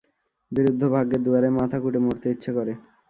বিরুদ্ধ ভাগ্যের দুয়ারে মাথা কুটে মরতে ইচ্ছে করে।